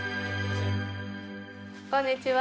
こんにちは。